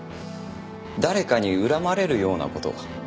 誰かに恨まれるような事は？